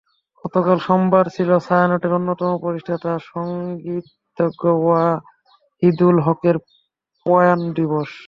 গতকাল সোমবার ছিল ছায়ানটের অন্যতম প্রতিষ্ঠাতা, সংগীতজ্ঞ ওয়াহিদুল হকের প্রয়াণ দিবস।